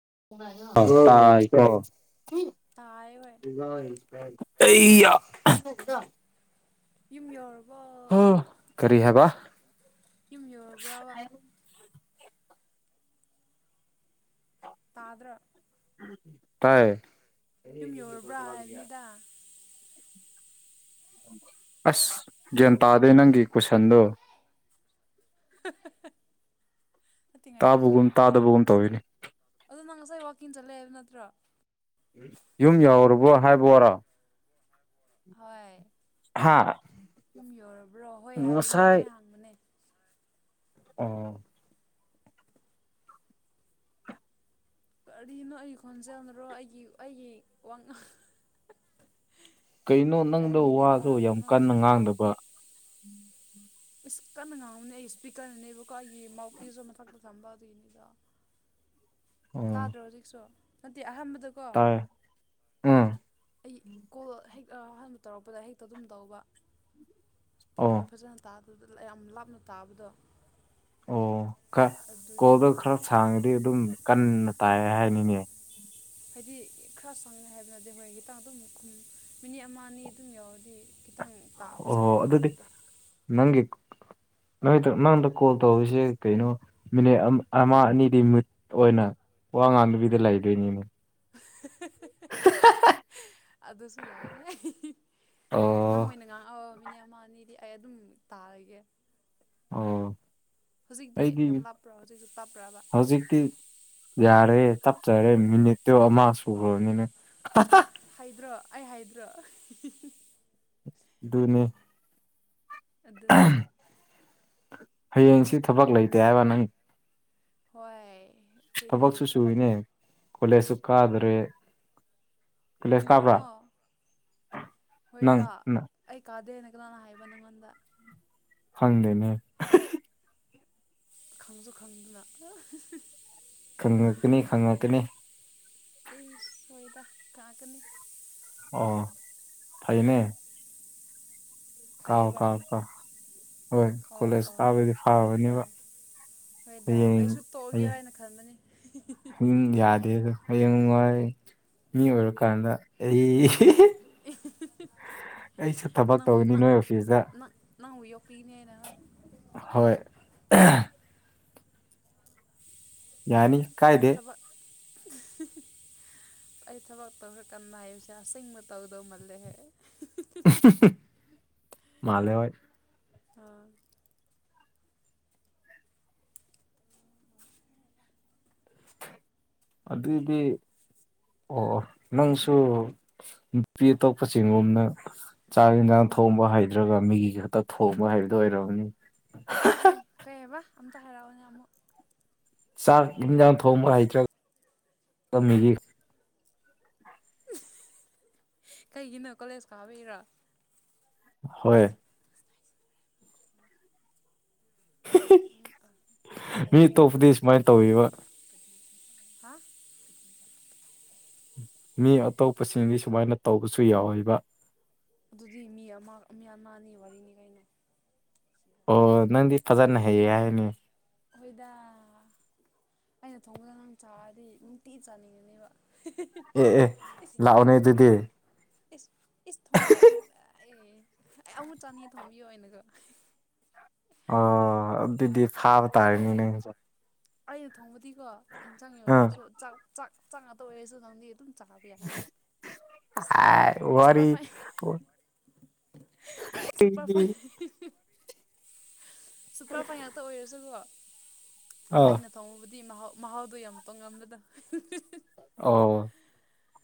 [unintelligible] [unintelligible] [unintelligible] ꯇꯥꯏ ꯍꯣꯏ [unintelligible] ꯑꯩꯌꯥ ꯌꯨꯝ ꯌꯧꯔꯕꯣ ꯀꯔꯤ ꯍꯥꯏꯕ ꯌꯨꯝ ꯌꯧꯔꯕ꯭ꯔꯕ ꯇꯥꯗ꯭ꯔ ꯇꯥꯏ ꯌꯧꯔꯕ꯭ꯔꯥ ꯍꯥꯏꯕꯅꯤꯗ ꯑꯁ ꯒ꯭ꯌꯥꯟ ꯇꯥꯗꯦ ꯅꯪꯒꯤ ꯀꯨꯣꯏꯁꯟꯗꯣ [inaudible] ꯅꯠꯇꯦ ꯇꯥꯕꯒꯨꯝ ꯇꯥꯗꯕꯒꯨꯝ ꯇꯧꯋꯤꯅꯤ ꯑꯗꯨ ꯅꯪ ꯉꯁꯥꯏ ꯋꯥꯛꯀꯤꯡ ꯆꯠꯂꯦ ꯍꯥꯏꯕ ꯅꯠꯇ꯭ꯔꯣ ꯌꯨꯝ ꯌꯧꯨꯔꯕꯣ ꯍꯥꯏꯕꯔꯣ ꯍꯣꯏ ꯁꯨꯝ ꯌꯧꯔꯕ꯭ꯔꯣ ꯍꯣꯏ ꯍꯥꯏꯌꯨꯅꯦ ꯑꯗꯨꯃꯥꯏꯅ ꯍꯥꯡꯕꯅꯦ ꯑꯥ ꯀꯔꯤꯅꯣ ꯑꯩ ꯈꯣꯟꯖꯦꯜꯔꯣ ꯑꯩꯒꯤ ꯑꯩꯒꯤ ꯋꯥꯉꯥꯡ ꯀꯩꯅꯣ ꯅꯪꯗꯣ ꯀꯔꯤꯅꯤ ꯒ꯭ꯌꯥꯟ ꯋꯥꯁꯨ ꯌꯥꯝ ꯇꯥꯗꯕꯅꯣ ꯅꯪ ꯀꯟꯅ ꯉꯥꯡꯗꯕ ꯏꯁ ꯀꯟꯅ ꯉꯥꯡꯉꯨꯅꯦ ꯑꯩꯒꯤ ꯏꯁꯄꯤꯀꯔꯅꯅꯦꯕꯀꯣ ꯑꯩꯒꯤ ꯃꯥꯎꯠ ꯄꯤꯁꯁꯨ ꯃꯊꯛꯇ ꯈꯝꯕꯗꯣꯏꯅꯤꯗ [inaudible] ꯑꯣ ꯇꯥꯗ꯭ꯔꯣ ꯍꯧꯖꯤꯛꯁꯨ ꯅꯠꯇꯗꯤ ꯑꯍ ꯗꯀꯣ ꯇꯥꯏ ꯎꯝ ꯑꯩ ꯀꯣꯜ ꯌꯩ ꯑꯍꯥꯟꯕ ꯇꯧꯔꯛꯄꯗ ꯍꯦꯛꯇ ꯑꯗꯨꯝ ꯇꯧꯕ ꯏꯁꯄꯤꯀꯔ ꯑꯣ ꯐꯖꯅ ꯇꯥ ꯑꯗꯨꯗ ꯌꯥꯝ ꯂꯥꯞꯅ ꯇꯥꯕꯗꯣ ꯑꯣ ꯈ ꯀꯣꯜꯗꯣ ꯑꯗꯨꯒꯤꯅꯤꯗ ꯈꯔ ꯁꯥꯡꯉꯗꯤ ꯑꯗꯨꯝ ꯀꯟꯅ ꯇꯥꯏ ꯍꯥꯏꯅꯤꯅꯦ ꯍꯥꯏꯗꯤ ꯈꯔ ꯁꯪꯉꯦ ꯍꯥꯏꯕꯅꯗꯤ ꯍꯣꯔꯦꯟ ꯈꯤꯇꯥꯡ ꯑꯗꯨꯝ ꯃꯤꯅꯤꯠ ꯑꯃ ꯑꯅꯤ ꯑꯗꯨꯝ ꯌꯥꯎꯔꯗꯤ ꯑꯣ ꯑꯗꯨꯗꯤ ꯅꯒꯤ ꯅꯣꯏ ꯅꯪꯗ ꯀꯣꯜ ꯇꯧꯔꯤꯁꯦ ꯀꯩꯅꯣ ꯃꯤꯅꯤꯠ ꯑꯃ ꯑꯅꯤꯗꯤꯠ ꯑꯣꯏꯅ ꯑꯣ ꯑꯉꯅꯕꯤꯗꯤ ꯂꯥꯏꯗꯅꯤ ꯎ ꯑꯗꯨꯁꯨ ꯌꯥꯏ ꯑꯣ ꯅꯪꯅ ꯉꯥꯡꯑꯣ ꯃꯤꯅꯤꯠ ꯑꯃ ꯑꯅꯤꯗꯤ ꯑꯩ ꯑꯗꯨꯝ ꯇꯥꯔꯒꯦ ꯑꯣ ꯍꯧꯖꯤꯛꯇꯤ ꯑꯩꯗꯤ ꯌꯥꯝ ꯂꯥꯞꯄ꯭ꯔꯣ ꯍꯧꯖꯤꯛꯁꯨ ꯄꯥꯞꯄ꯭ꯔꯕ ꯍꯧꯖꯤꯛꯇꯤ ꯌꯥꯔꯦ ꯇꯞꯆꯔꯦ ꯃꯤꯅꯤꯠꯇꯣ ꯑꯃ ꯁꯨꯈ꯭ꯔꯕꯅꯤꯅ ꯍꯥꯏꯗ꯭ꯔꯣ ꯑꯩ ꯍꯥꯏꯗ꯭ꯔꯣ ꯅꯤ ꯑꯗꯨꯅꯦ ꯍꯌꯦꯡꯁꯤ ꯊꯕꯛ ꯂꯩꯇꯦ ꯍꯥꯏꯕ ꯅꯪ ꯍꯣꯏ ꯑꯩꯈꯣꯏꯗꯤ ꯊꯕꯛꯁꯨ ꯊꯕꯛ ꯁꯨꯏꯅꯦ ꯀꯂꯦꯁꯨꯨ ꯀꯗ꯭ꯔꯦ ꯀꯅꯥꯅꯣ ꯅꯪ ꯍꯣꯏꯗ ꯑꯩ ꯀꯥꯗꯦꯅ ꯍꯥꯏꯕꯟꯒꯣꯟꯗ ꯍꯪꯗꯦꯅꯦ ꯈꯪꯖ ꯈꯪꯗ ꯈꯪꯉꯛꯇꯅꯤ ꯈꯪꯉꯛꯇꯅꯤ ꯀꯥꯒꯅꯤ ꯑꯣ ꯐꯥꯏꯌꯦꯅꯦ ꯀꯥꯎ ꯐꯩꯕ ꯀꯥꯎ ꯀꯥꯎ ꯍꯣꯏ ꯑꯣ ꯀꯣꯂꯦꯖ ꯑꯣ ꯑꯣ ꯀꯥꯎꯕꯗꯤ ꯐꯥꯎꯕꯅꯦꯕ ꯍꯣꯏ ꯍꯣꯏꯗ ꯑꯩꯁꯨ ꯇꯣꯛꯑꯒꯦꯔ ꯍꯥꯏꯅ ꯈꯟꯕꯅꯤ ꯑꯗꯨꯝ ꯌꯥꯗꯦꯗꯣ ꯍꯌꯦꯡ ꯅꯨꯡꯉꯥꯏ ꯃꯤ ꯑꯣꯏꯔꯀꯥꯟꯗ ꯑꯩ ꯑꯩꯁꯨ ꯊꯕꯛ ꯅꯪꯕꯨ ꯇꯧꯅꯤ ꯅꯪ ꯅꯣꯏ ꯑꯣꯐꯤꯁꯇ ꯅꯪ ꯅꯪꯕꯨ ꯌꯣ ꯀꯤꯅꯦ ꯍꯥꯏꯅ ꯍꯣꯏ ꯌꯥꯅꯤ ꯀꯥꯏꯗꯦ ꯊꯕꯛ [unintelligible] ꯑꯩ ꯊꯕꯛ ꯇꯧꯔ ꯀꯟꯅ ꯍꯥꯏꯕꯁꯦ ꯑꯁꯦꯡꯕ ꯇꯧꯗꯧꯃꯜꯂꯦꯍꯦ ꯃꯥꯜ ꯍ ꯑꯣ ꯑꯗꯨꯗꯗꯤ ꯑꯣ ꯑꯣ ꯅꯪꯁꯨ ꯅꯨꯄꯤ ꯑꯇꯣꯞꯄ ꯆꯤꯡꯒꯣꯝꯅ ꯆꯥꯛ ꯌꯦꯟꯁꯥꯡ ꯊꯣꯡꯕ ꯍꯩꯗ꯭ꯔꯒ ꯃꯤꯒꯤ ꯈꯛꯇ ꯊꯣꯡꯕ ꯍꯕꯗꯨꯣ ꯑꯣꯏꯔꯝꯅꯤ ꯄꯤꯛꯏ ꯀꯩ ꯍꯥꯏꯕ ꯑꯝꯇ ꯍꯥꯏꯔꯛꯑꯣꯅꯦ ꯑꯃꯨꯛ ꯁꯥꯔ ꯊꯣꯡ ꯀꯩꯒꯤꯅꯣ ꯀꯣꯂꯦꯖ ꯀꯥꯕꯩꯔꯥ ꯍꯣꯏ ꯎ ꯑꯥ ꯃꯤ ꯄꯩꯔ ꯍꯦꯟꯅ ꯌꯦꯡ ꯆ ꯑꯇꯣꯞꯄꯗꯤ ꯑꯗꯨꯗꯤ ꯁꯨꯃꯥꯏꯅ ꯍꯦꯟꯅꯟꯗ꯭ꯔꯣ ꯇꯧꯋꯦꯕ ꯍꯥ ꯃꯤ ꯑꯇꯣꯞꯄꯁꯤꯡꯗꯤ ꯁꯨꯃꯥꯏꯅ ꯇꯧꯕꯁꯨ ꯌꯥꯎꯋꯕ ꯑꯗꯨꯗꯤ ꯃꯤ ꯑꯃ ꯃꯤ ꯑꯃꯅꯤ ꯋꯥꯔꯤꯅꯤ ꯀꯩꯅꯣ ꯑꯣ ꯅꯪꯗꯤ ꯐꯖꯅ ꯍꯩꯌꯦ ꯍꯥꯏꯅꯤ ꯍꯣꯏꯗ ꯑꯩꯅ ꯊꯣꯡꯕꯗ ꯅꯪ ꯆꯥꯔꯗꯤ ꯅꯨꯡꯇꯤ ꯆꯥꯅꯤꯡꯉꯅꯦꯕ ꯑꯦ ꯑꯦ ꯂꯥꯛꯑꯣꯅꯦ ꯑꯗꯨꯗꯤ ꯏ ꯊꯣꯡꯕꯤ ꯑꯦ ꯑꯩ ꯑꯃꯨꯠ ꯆꯥꯅꯤꯡꯌꯦ ꯊꯣꯡꯕꯤꯌꯣ ꯑꯣꯏꯅꯒ ꯑꯣ ꯑꯗꯨꯗꯤ ꯐꯥꯕ ꯇ ꯑꯩ ꯍꯥꯏꯔꯅꯤ ꯅ ꯑꯩꯅ ꯊꯣꯡꯕꯗꯤꯀꯣ ꯑꯥ ꯏꯟꯁꯥꯡꯉꯎꯗ꯭ꯔꯁꯨ ꯆꯥꯛ ꯆꯥꯛ ꯆꯥꯛ ꯉꯥꯛꯇ ꯑꯣꯏꯔꯁꯨ ꯅꯪꯗꯤ ꯑꯗꯨꯝ ꯆꯕ ꯌꯥꯔꯅꯤ ꯁꯥꯎꯦꯅ ꯍꯥꯏ ꯋꯥꯔꯤ ꯁꯨꯄꯔ ꯐꯥꯏꯟ ꯁꯨꯄꯔ ꯐ ꯋꯥꯔꯤꯗꯤ ꯁꯨꯄꯔ ꯐꯥꯏꯟ ꯉꯥꯛꯇ ꯑꯣꯏꯔꯁꯨꯀꯣ ꯑꯥ ꯑꯩꯅ ꯊꯣꯡꯉꯨꯕꯨꯗꯤ ꯃꯍꯥꯎ ꯃꯍꯥꯎꯗꯣ ꯌꯥꯝ ꯇꯣꯡꯉꯝꯕꯗ ꯑꯣ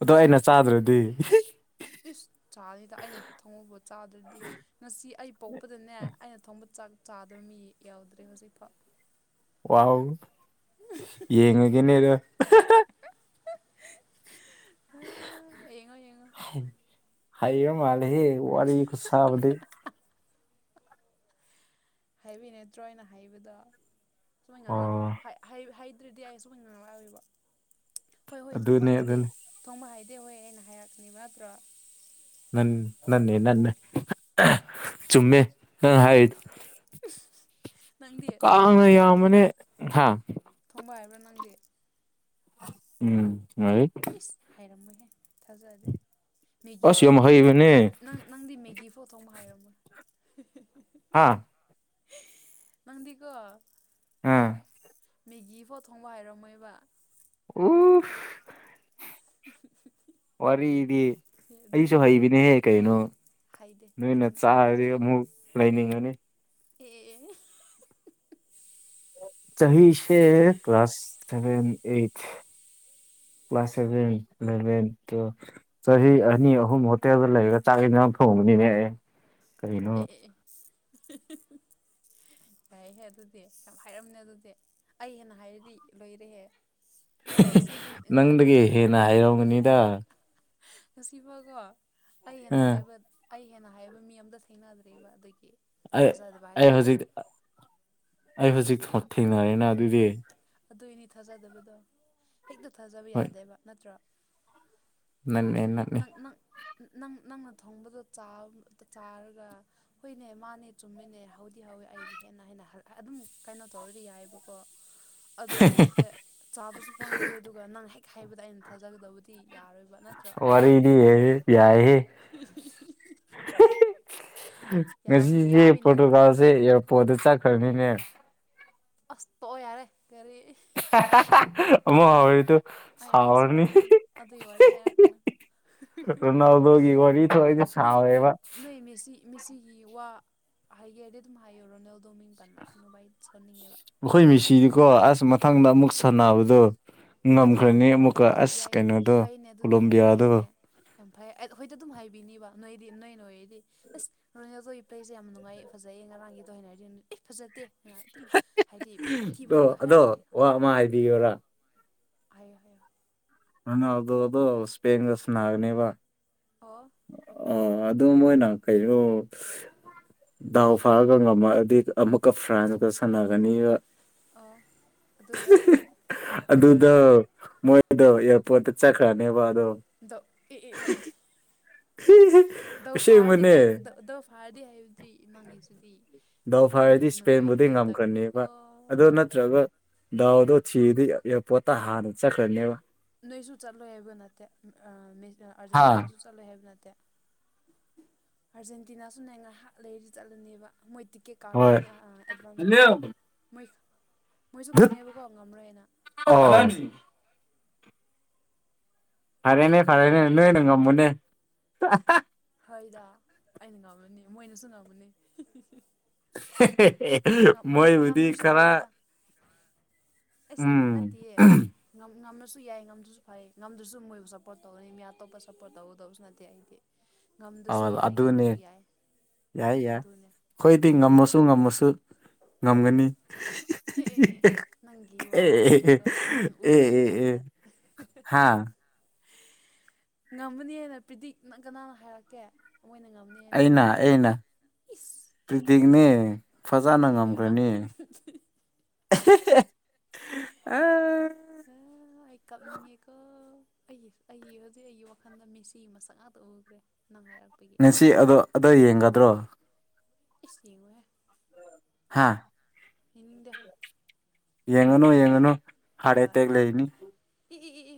ꯑꯗꯣ ꯑꯩꯅ ꯆꯥꯗ꯭ꯔꯗꯤ ꯑꯁ ꯆꯥꯅꯤꯗ ꯑꯩꯅ ꯊꯣꯡꯉꯨꯕ ꯆꯥꯗꯗꯤ ꯉꯁꯤ ꯑꯩ ꯄꯣꯛꯄꯗꯅꯦ ꯑꯩꯅ ꯊꯣꯡꯕ ꯆꯥꯛ ꯆꯥꯗꯕ ꯃꯤ ꯌꯥꯎꯗ꯭ꯔꯦ ꯍꯧꯖꯤꯛꯐꯥꯎ ꯋꯥꯎ ꯌꯦꯡꯉꯒꯅꯦꯔ ꯌꯦꯡꯉꯣ ꯌꯦꯡꯉꯣ ꯍ ꯍꯥꯏꯌꯦꯌ ꯃꯥꯂ ꯍꯦ ꯋꯥꯔꯤ ꯋꯥꯔꯤ ꯈꯨꯨꯁꯥꯕꯗꯤ ꯍꯥꯏꯕꯤ ꯅꯠꯇ꯭ꯔꯣꯅ ꯍꯥꯏꯕꯗ ꯁꯃꯥꯏ ꯉ ꯑꯣ ꯑꯗꯨꯗꯤ ꯑꯩ ꯑꯁꯨ ꯉ ꯂꯥꯛꯑꯕ ꯍꯣꯏ ꯍꯣꯏ ꯊꯣꯡꯕ ꯑꯗꯨꯅꯦ ꯍꯥꯏꯗꯦ ꯑꯗꯨꯅꯦ ꯊꯣꯡꯕ ꯍꯥꯏꯗꯦ ꯇ ꯍꯣꯏ ꯑꯩꯅ ꯍꯥꯏꯔꯛꯀꯅꯤ ꯅꯠꯇ꯭ꯔꯣ ꯅ ꯅꯅꯦꯦ ꯅ ꯆꯨꯝꯃꯦ ꯑ ꯍꯥꯏ ꯐꯁ ꯀꯥꯡꯅ ꯌꯥꯝꯕꯅꯦ ꯍꯥ ꯃꯥꯡꯗꯦ ꯎꯝ ꯍꯩ ꯏꯁ ꯍꯥꯏꯔꯝꯃꯣꯏꯍꯦ ꯊꯥꯖꯗꯦ ꯃꯦꯒꯤ ꯑꯁ ꯌꯥꯝ ꯅꯪꯗꯤꯪ ꯍꯩꯕꯅꯦ ꯅꯪꯗꯤ ꯃꯦꯒꯤ ꯐꯥꯎ ꯊꯣꯡ ꯑꯃ ꯍꯥꯏꯔꯝꯃꯣꯏ ꯍꯥꯥ ꯅꯪꯗꯤꯀꯣ ꯑꯥ ꯃꯦꯒꯤ ꯐꯣꯠ ꯊꯣꯡꯕ ꯍꯥꯏꯔꯝꯃꯣꯏꯕ ꯑꯣ ꯎ ꯋꯥꯔꯤꯗꯤ ꯑꯩꯁꯨ ꯑꯗꯨꯅꯤ ꯍꯩꯕꯤꯅꯤꯍꯦ ꯀꯩꯅꯣ ꯍꯩꯗꯦ ꯅꯣꯏꯅ ꯈꯪ ꯆꯥꯔꯗꯤ ꯑꯃꯨꯛ ꯂꯩꯅꯤꯡꯉꯅꯤ ꯑꯦꯑꯦꯑꯦ ꯆꯍꯤꯍꯤꯁꯦ class seven eight class seven eleven twelve ꯆꯍꯤ ꯑꯅꯤ ꯑꯍꯨꯝ ꯍꯣꯇꯦꯜꯗ ꯂꯩꯔꯒ ꯆꯥꯛ ꯍꯦꯟꯖꯥꯡ ꯊꯣꯡꯕꯅꯤ ꯀꯔꯤꯅꯣ ꯑꯦ ꯑꯦ ꯑꯦ ꯑꯦ ꯑꯟꯑꯣꯗꯤꯕꯜ ꯌꯥꯏꯍꯦ ꯑꯗꯨꯗꯤ ꯌꯥꯝ ꯍꯥꯏꯔꯝꯃꯦ ꯑꯗꯨꯗꯤ ꯑꯩ ꯍꯦꯟꯅ ꯍꯥꯏꯔꯗꯤ ꯂꯣꯏꯔꯦꯍꯦ ꯉꯁꯤꯗꯤ ꯅꯪꯗꯒꯤ ꯍꯦꯟꯅ ꯍꯥꯏꯔꯝꯒꯅꯤꯗ ꯉꯁꯤꯐꯥꯎꯀꯣ ꯑꯩ ꯍꯦꯟꯅ ꯑꯥ ꯍꯥꯏꯕ ꯑꯩ ꯍꯦꯟꯅ ꯍꯥꯏꯕ ꯃꯤ ꯑꯝꯇ ꯊꯦꯡꯅꯗ꯭ꯔꯦꯕ ꯑꯗꯨꯒꯤ ꯑꯩ ꯊꯥꯖꯗꯕ ꯑꯩ ꯍꯥꯏꯇꯥꯔꯦ ꯍꯧꯖꯤꯛ ꯑ ꯑꯩ ꯍꯧꯖꯤꯛ ꯊꯣꯡ ꯊꯦꯡꯅꯔꯦꯅ ꯑꯗꯨꯗꯤ ꯑꯗꯨꯏꯅꯤ ꯊꯥꯖꯗꯕꯗꯣ ꯍꯦꯛꯇ ꯊꯥꯖꯕ ꯌꯥꯗꯦꯕ ꯅꯠꯇ꯭ꯔꯣ ꯅꯟꯅꯦ ꯅꯠꯅꯦ ꯅꯪ ꯅꯪ ꯅꯪ ꯅꯪꯅ ꯊꯣꯡꯕꯗꯣ ꯆꯥꯔ ꯆꯥꯔꯒ ꯍꯨꯏꯅꯦ ꯃꯥꯅꯦ ꯆꯨꯝꯃꯤꯅꯦ ꯍꯧꯗꯤ ꯍꯧ ꯑꯩꯒꯤ ꯍꯦꯟꯅ ꯍꯦꯟꯅ ꯑꯗꯨꯝ ꯀꯩꯅꯣ ꯇꯧꯔꯗꯤ ꯌꯥꯏꯑꯕꯀꯣ ꯑꯗꯨꯁꯨ ꯅꯠꯇꯦ ꯆꯥꯕꯁꯨ ꯐꯪꯗ꯭ꯔꯦ ꯑꯗꯨꯒ ꯅꯪ ꯍꯦꯛ ꯍꯥꯏꯕꯗ ꯑꯩꯅ ꯊꯥꯖꯒꯗꯕꯗꯤ ꯌꯥꯔꯣꯏꯕ ꯅꯠꯇ꯭ꯔ ꯌꯤꯍꯦ ꯌꯥꯏꯍꯦ ꯌꯥꯕꯅꯤ ꯉꯁꯤꯁꯦ ꯌꯥꯕꯩ ꯅꯠꯇ꯭ꯔꯣ ꯄꯣꯔꯇꯨꯒꯥꯜꯁꯦ ꯑꯦꯌꯥꯔꯄꯣꯔꯠꯇ ꯆꯠꯈ꯭ꯔꯅꯤꯅꯦ ꯑꯁꯇ ꯇꯣꯛꯑꯣ ꯌꯥꯔꯦ ꯀꯔꯤ ꯑꯍꯍꯍꯍ ꯑꯃꯣꯛ ꯍꯧꯔꯦ ꯇꯣ ꯑꯩ ꯑꯩ ꯁꯥꯎꯔꯅꯤ ꯁꯧꯔꯛꯀꯅꯤ ꯑꯗꯨꯒꯤ ꯋꯥꯔꯤ ꯍꯥꯏꯔꯛꯀꯅꯨ ꯔꯣ ꯔꯣꯅꯥꯜꯗꯣꯒꯤ ꯋꯥꯔꯤ ꯊꯣꯛ ꯁꯕꯅꯦꯕ ꯃꯤꯁꯤꯒꯤ ꯋꯥ ꯍꯥꯏꯒꯦ ꯍꯥꯏꯗꯤ ꯑꯗꯨꯝ ꯍꯥꯏꯌꯨ ꯔꯣꯅꯦꯜ ꯗꯣꯃꯤꯡ ꯄꯥꯟꯂꯥꯛꯀꯅ ꯥꯏ ꯁꯅꯤꯡꯉꯦꯕ ꯀꯣ ꯑꯁ ꯃꯊꯪꯗ ꯑꯃꯨꯛ ꯁꯥꯟꯅꯕꯗꯣ ꯍꯣꯏ ꯑꯗꯨꯝ ꯉꯝꯈ꯭ꯔꯅꯤ ꯑꯃꯨꯛꯀ ꯍꯥꯏꯔꯛꯑꯣ ꯑꯁ ꯌꯥꯏ ꯀꯩꯅꯣꯗꯣ ꯐꯩꯅꯦ ꯑꯗꯨꯗꯤ ꯌꯥꯝ ꯐꯩꯅꯦ ꯀꯣꯂꯣꯝꯕꯤꯌꯥꯗꯣ ꯌꯥꯝ ꯐꯩ ꯑꯩ ꯑꯩꯈꯣꯏꯗꯤ ꯑꯗꯨꯝ ꯍꯥꯏꯕꯤꯅꯤꯕ ꯅꯣꯏꯗꯤ ꯅꯣꯏ ꯅꯣꯏꯗꯤ ꯑꯁ ꯔꯣꯅꯤꯗꯣꯒꯤ ꯄ꯭ꯂꯁꯦ ꯌꯥꯝ ꯅꯨꯡꯉꯥꯏꯌꯦ ꯐꯖꯩꯌꯦ ꯉꯔꯥꯡꯒꯤꯗ ꯑꯣꯏꯅ ꯍꯥꯏꯔꯗꯤ ꯑꯦ ꯐꯖꯗꯦꯅ ꯑꯗꯨꯝ ꯍꯥꯏꯗꯤ ꯑꯊꯤꯕ ꯑꯗꯣ ꯉꯥꯛꯇ ꯍꯥꯏꯔꯛꯀꯅꯤ ꯑꯗꯣ ꯈꯪꯉꯤ ꯋꯥ ꯑꯃ ꯍꯥꯏꯕꯤꯌꯣꯔꯥ ꯍꯥꯏꯌꯣ ꯍꯥꯏꯌꯣ ꯔꯣꯅꯥꯛꯗꯣꯗꯣ ꯁꯄꯦꯟꯒ ꯁꯥꯟꯅꯒꯅꯤꯕ ꯑꯣ ꯑ ꯑꯗꯨ ꯃꯣꯏꯅ ꯀꯣ ꯗꯥꯎ ꯐꯥꯔꯒ ꯉꯝꯃꯛꯑꯗꯤ ꯑꯃꯨꯛꯀ ꯐ꯭ꯔꯥꯟꯁꯀ ꯁꯥꯟꯅꯒꯅꯤꯒ ꯑꯣ ꯑꯗꯨꯒ ꯑꯗꯨꯗ ꯀꯩꯗꯧꯔꯦ ꯃꯣꯏ ꯑꯗꯣ ꯑꯦꯌꯥꯔꯄꯣꯔꯠꯇ ꯆꯠꯈ꯭ꯔꯅꯦꯕ ꯑꯗꯣ ꯗꯣ ꯏꯏꯏꯏ ꯗꯧ ꯐꯥꯔꯗꯤ ꯑꯁꯦꯡꯕꯅꯦ ꯀꯥꯏ ꯗꯧ ꯐꯥꯔꯗꯤ ꯍꯥꯏꯕꯗꯤ ꯅꯪꯉꯤꯁꯤꯗꯤ ꯗꯥꯎ ꯐꯥꯏꯔꯗꯤ ꯏꯁꯄꯦꯟꯕꯨꯗꯩ ꯉꯝꯈ꯭ꯔꯅꯦꯕ ꯑꯗꯨ ꯅꯠꯇ꯭ꯔꯒ ꯗꯥꯎꯗꯣ ꯁꯤꯗꯤ ꯏꯔꯄꯣꯔꯠꯇ ꯍꯥꯟꯅ ꯆꯠꯈ꯭ꯔꯅꯦꯕ ꯅꯣꯏꯁꯨ ꯆꯠꯂꯣꯏ ꯍꯥꯏꯕ ꯅꯠꯇꯦ ꯑ ꯃꯦ ꯑ ꯍꯥ ꯑꯥꯔꯖꯦꯟꯇꯤꯅꯥꯁꯨ ꯆꯠꯂꯣꯏ ꯍꯥꯏꯕ ꯅꯠꯇꯦ ꯑꯥꯔꯖꯦꯟꯇꯤꯅꯥꯁꯨ ꯅ ꯉꯥꯏꯍꯥꯛ ꯂꯩꯔꯗꯤ ꯆꯠꯂꯅꯦꯕ ꯃꯣꯏꯤ ꯀꯦ ꯍꯣꯏ ꯀꯥꯒꯕꯅꯤ ꯑꯦ ꯑ ꯑꯦꯗꯚꯥꯟꯁ ꯑꯣꯏꯅ ꯃꯣꯏ ꯃꯣꯏꯁꯨ ꯗꯨꯠ ꯈꯪꯉꯦꯕꯀꯣ ꯉꯝꯔꯣꯏꯅ ꯑꯣ ꯐꯔꯦꯅꯦ ꯐꯔꯦꯅꯦ ꯅꯣꯏꯅ ꯉꯝꯃꯨꯅꯦ ꯑꯩꯣꯏꯗ ꯑꯩꯅ ꯉꯝꯂꯨꯅꯤ ꯃꯣꯏꯅꯁꯨ ꯉꯝꯃꯨꯅꯤ ꯃꯣꯏꯕꯨꯗꯤ ꯉꯝꯗ꯭ꯔꯁꯨ ꯈꯔ ꯀꯩꯗꯦꯗ ꯑꯁ ꯎꯝ ꯅꯠꯇꯤꯌꯦ ꯉꯝ ꯉꯝꯃꯁ ꯉꯁꯨ ꯌꯥꯏ ꯉꯝꯗ꯭ꯔꯁꯨ ꯐꯩ ꯉꯝꯗ꯭ꯔꯁꯨ ꯃꯣꯏꯕꯨ ꯁꯞꯄꯣꯔꯠ ꯇꯧꯒꯅꯤ ꯃꯤ ꯑꯇꯣꯞꯄ ꯁꯞꯄꯣꯔꯠ ꯇꯧꯒꯗꯕꯁꯨ ꯅꯠꯇꯦ ꯑꯩꯗꯤ ꯑ ꯉꯝꯗ꯭ꯔꯁꯨ ꯌꯥꯏ ꯑꯗꯨꯅꯦ ꯉꯝꯃꯁꯨ ꯌꯥꯏ ꯌꯥꯏ ꯌꯥꯏ ꯑꯗꯨꯅꯦ ꯑꯩꯈꯣꯏꯗꯤ ꯑꯗꯨꯅꯦ ꯉꯝꯃꯁꯨ ꯉꯝꯃꯁꯨ ꯉꯝꯒꯅꯤ ꯑꯦ ꯑꯦ ꯑꯦ ꯅꯪꯒꯤ ꯑꯦ ꯑꯦ ꯋꯥꯕꯨꯗꯤꯀꯣ ꯅꯪ ꯑꯦ ꯎꯈ꯭ꯔꯕꯩ ꯑꯦ ꯑꯦ ꯇꯥꯏꯞꯇ ꯍꯥ ꯉꯝꯃꯅꯤꯅ ꯄ꯭ꯔꯤꯗꯤꯛꯅ ꯀꯅꯥꯅ ꯍꯥꯏꯔꯛꯀꯦ ꯃꯣꯏꯅ ꯉꯝꯅꯤꯅ ꯑꯩꯅ ꯑꯩꯅ ꯄ꯭ꯔꯤꯇꯛꯅꯤ ꯏꯃ ꯏꯕꯃ ꯑꯥ ꯎꯝ ꯑꯩ ꯀꯞꯅꯤꯡꯉꯦꯀꯣ ꯑꯩꯒꯤ ꯑꯩꯒꯤ ꯍꯧꯖꯤꯛ ꯑꯩꯒꯤ ꯋꯥꯈꯜꯗ ꯃꯤꯁꯤ ꯃꯁꯛ ꯉꯥꯛꯇ ꯎꯈ꯭ꯔꯦ ꯅꯪ ꯍꯥꯏꯔꯛꯄꯒꯤ ꯅ ꯁꯤ ꯑꯗꯣ ꯑꯗꯣ ꯌꯦꯡꯒꯗ꯭ꯔꯣ ꯑꯦꯒꯣꯏ ꯍꯥꯥ ꯌꯦꯡꯉꯅꯨ ꯌꯦꯡꯉꯅꯨ ꯍꯥꯔꯠ ꯍꯣꯏ ꯑꯦꯇꯦꯛꯦꯛ ꯂꯩꯅꯤ ꯏ ꯏ ꯏ ꯏ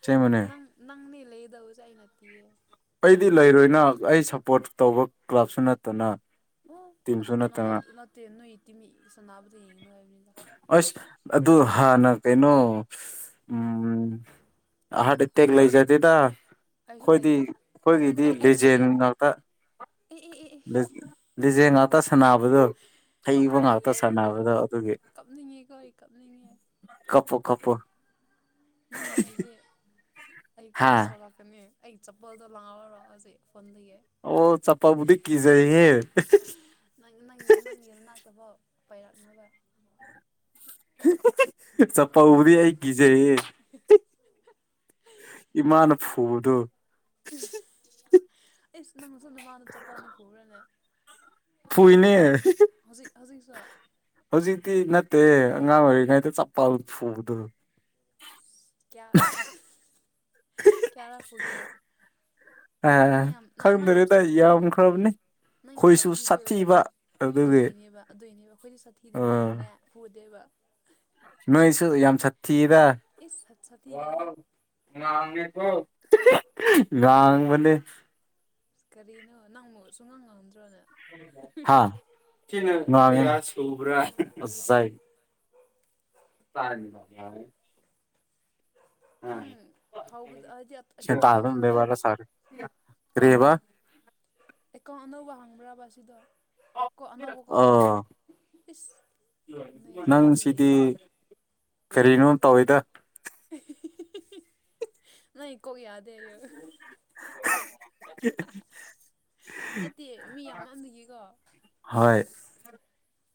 ꯑꯁꯦꯡꯕꯅꯦ ꯅꯪ ꯅꯪꯅꯦ ꯂꯩꯗꯧꯁꯥꯏ ꯅꯌꯦ ꯑꯩꯗꯤ ꯂꯩꯔꯣꯏꯅ ꯑꯩ ꯁꯞꯄꯣꯔꯠ ꯇꯧꯕ ꯀ꯭ꯂꯕꯁꯨ ꯅꯠꯇꯅ ꯑꯣ ꯇꯤꯝꯁꯨ ꯑꯗꯨ ꯅꯠꯇꯅ ꯅꯠꯇꯦ ꯅꯣꯏ ꯏꯇꯤ ꯃꯤ ꯁꯅꯥꯕꯨꯗ ꯌꯦꯡꯉꯅꯨ ꯍꯥꯏꯕꯅꯤꯅ ꯑꯁ ꯑꯗꯨ ꯍꯥꯟꯅ ꯀꯩꯅꯣ ꯎꯝ ꯑꯍꯔ ꯇꯦꯛꯒ ꯂꯩꯣꯏ ꯆꯗꯦꯗ ꯑꯩꯁꯨ ꯑꯩꯈꯣꯏꯗꯤ ꯂꯩꯇꯦ ꯑꯩꯈꯣꯏꯒꯤꯗꯤ ꯑꯩꯈꯣꯏ ꯑꯩ ꯑꯩ ꯂꯦꯖꯦꯟ ꯂꯩꯌꯦ ꯉꯥꯛꯇ ꯑꯦ ꯑꯦ ꯑꯦ ꯂꯤꯖꯦꯜ ꯉꯥꯛꯇ ꯁꯥꯟꯅꯕꯗꯣ ꯍꯩꯕ ꯉꯥꯛꯇ ꯁꯥꯟꯅꯕꯗꯣ ꯑꯗꯨ ꯀꯞꯅꯤꯡꯉꯦ ꯀꯣꯏ ꯀꯞꯅꯤꯡꯉꯦ ꯀꯞꯄ ꯅꯪꯗꯗꯤ ꯑꯩ ꯀꯣ ꯍꯥ ꯁꯣꯔꯛꯀꯅꯤ ꯑꯩ ꯆꯄꯣꯜꯗꯣ ꯂꯥꯎꯑꯣꯔ ꯍꯧꯖꯤꯛ ꯐꯣꯟꯗꯒꯤ ꯑꯣ ꯆꯞꯄꯕꯨꯗꯤ ꯀꯖꯩ ꯍꯦ ꯪꯪ ꯅꯪꯒꯤ ꯃꯅꯥꯛꯇꯐꯥꯎ ꯄꯥꯏꯔꯛꯅꯕ ꯆꯞꯄ ꯎꯕꯗꯤ ꯑꯩ ꯀꯤꯖꯩ ꯎ ꯏꯃꯥꯅ ꯐꯨꯕꯗꯣ ꯑꯦ ꯅꯪ ꯁꯗ ꯃꯥꯅ ꯆꯄꯅ ꯐꯂꯦ ꯐꯏꯅꯦ ꯑꯖꯤꯛ ꯁꯥ ꯍꯧꯖꯤꯛꯇꯤ ꯅꯠꯇꯦ ꯑꯉꯥꯡ ꯑꯣꯏꯔꯤꯉꯩꯗ ꯆꯄꯜ ꯐꯨꯕꯗ ꯀꯌꯥ ꯀꯌꯥ ꯂꯄꯨꯒꯦ ꯑ ꯈꯪꯗꯔꯦ ꯇ ꯑꯩ ꯌꯥꯝꯈ꯭ꯔꯕꯅꯤ ꯅꯪ ꯌꯥꯝ ꯑꯩꯈꯣꯏꯁꯨ ꯁꯥꯊꯤꯕꯩ ꯁꯥꯊꯤꯕ ꯑꯣꯏꯔꯝꯅꯦ ꯑꯗꯨꯒꯤ ꯑꯗꯨꯏꯅꯦꯕ ꯑꯗꯨꯏꯅꯦꯕ ꯑꯩꯈꯣꯏꯗꯤ ꯑꯣ ꯁꯥꯊꯤꯗꯕꯅꯤꯅꯅꯦ ꯗꯕ ꯅꯣꯏꯁꯨ ꯌꯥꯁ ꯆꯤꯗ ꯏꯁ ꯁꯥ ꯁꯥꯊꯤꯔꯦꯍꯦ ꯉꯥꯡ ꯉꯥꯡ ꯃꯅꯤ ꯀꯔꯤꯅꯣ ꯅꯪꯛ ꯁꯨꯡꯉꯥꯡ ꯉꯝꯗ꯭ꯔꯣꯅꯦ ꯐꯥꯒꯤ ꯇꯧꯕꯅꯤ [unintelligible] ꯁꯥꯔꯦꯅꯤ ꯃꯥ ꯌꯥ ꯅꯪ ꯍꯧꯕꯗ ꯍꯥꯏꯗꯤ ꯑꯦꯀꯥꯎꯟ ꯁꯦꯇꯥꯗ ꯍꯗ ꯑꯅꯧꯕꯔꯣ ꯋꯥ ꯁꯔꯦ ꯔꯦꯕꯥ [inaudible] ꯑꯦꯀꯥꯎꯟ ꯑꯅꯧꯕ ꯍꯪꯕ꯭ꯔꯕ ꯁꯤꯗꯣ ꯀꯣ ꯑꯅꯧꯕꯀꯣ ꯑꯣ ꯏꯁ ꯅꯪ ꯅꯣꯏꯁꯤꯗꯤ ꯁꯤꯗꯤ ꯂꯣꯏꯔꯦꯍꯦ ꯀꯔꯤꯅꯣ ꯇꯧꯋꯦꯗ ꯑ ꯏꯣ ꯀꯌꯥꯗ ꯍꯣꯏ ꯅꯠꯇꯦ ꯃꯤ ꯌꯥꯝꯃꯟꯕꯒꯤꯀꯣ ꯍ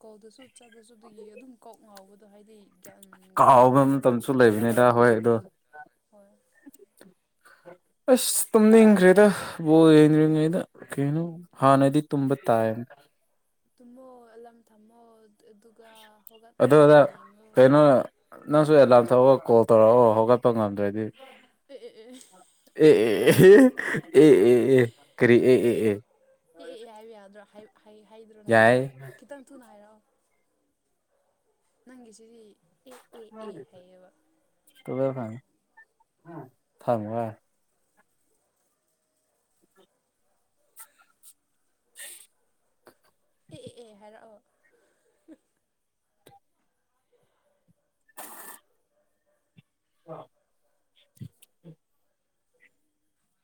ꯀꯧꯗꯁꯨ ꯆꯠꯗꯁꯨ ꯑꯗꯨꯒꯤ ꯑꯗꯨꯝ ꯀꯣꯛ ꯉꯥꯎꯕꯗꯣ ꯍꯥꯏꯗꯤ ꯒ꯭ꯌꯥꯟ ꯃꯦꯟ ꯀꯥꯎꯕ ꯇꯥꯗꯨꯗ ꯃꯇꯝꯁꯨ ꯑꯗꯨꯝ ꯌꯥꯎꯋꯦꯕ ꯂꯩꯕꯅꯤꯗ ꯍꯣꯏ ꯑꯗꯣ ꯍꯣꯏ ꯑꯁ ꯇꯨꯝꯅꯤꯡ ꯀ꯭ꯔꯤꯗ ꯕꯣꯜ [unintelligible] ꯀꯩꯅꯣ ꯍꯥꯟꯅꯗꯤ ꯇꯗ ꯇꯥꯏ ꯇꯨꯝꯃꯣ ꯑꯦ ꯊꯝꯃꯣ ꯑꯗꯨꯒ ꯍꯧꯒꯠꯂꯣ ꯑꯗꯨ ꯑꯗ ꯑꯗꯨꯒ ꯌꯦꯡꯉꯣ ꯀꯩꯅꯣ ꯅꯪꯁꯨ ꯑꯦꯂꯥꯔꯝ ꯊꯣꯛꯑꯒ ꯀꯣꯜ ꯇꯧꯔꯛꯑꯣ ꯍꯧꯒꯠꯄ ꯉꯝꯗ꯭ꯔꯗꯤ ꯑ ꯑꯦ ꯑꯦ ꯑꯦ ꯑꯦ ꯑꯦ ꯑꯦ ꯑꯦ ꯀꯔꯤ ꯑꯦ ꯑꯦ ꯑꯦ ꯑꯦ ꯑꯦ ꯑꯦ ꯍꯥꯏꯌꯨ ꯌꯥꯗ꯭ꯔꯣ ꯍꯥꯏꯗ꯭ꯔꯣꯅ ꯌꯥꯏ ꯈꯤꯇꯪ ꯊꯨꯅ ꯍꯥꯏꯔꯛꯑꯣ ꯅꯪ ꯁꯤꯔꯤ ꯐ ꯊꯃ ꯑꯦ ꯑꯦ ꯑꯦ ꯍꯥꯏꯔꯑꯣ ꯑ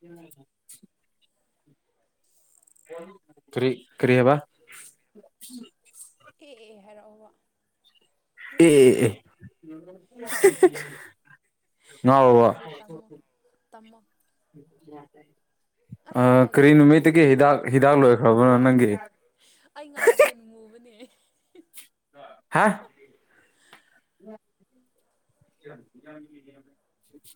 ꯎꯝ ꯀꯔꯤ ꯀꯔꯤꯌꯦꯕ ꯍꯦꯛ ꯑꯦ ꯍꯥꯏꯔꯛꯑꯣꯕ ꯑꯦ ꯑ ꯋꯥ ꯅꯪ ꯋꯥ ꯍꯥꯏꯗꯤ ꯇꯝꯃꯣ ꯇꯝꯃꯣ ꯑ ꯉꯥꯎꯗꯦ ꯀꯔꯤ ꯑꯩꯗꯤ ꯅꯨꯃꯤꯠꯇꯒꯤ ꯍꯤꯗꯥꯛ ꯃꯨꯕꯅꯦ ꯍꯤꯗꯥꯛ ꯂꯣꯏꯈ꯭ꯔꯕꯅꯣ ꯅꯪꯒꯤ ꯑꯩ ꯉꯥꯎꯗ ꯌꯦ ꯑꯗꯨꯅꯨꯡ ꯉꯨꯕꯅꯦ ꯍꯥ [unintelligible]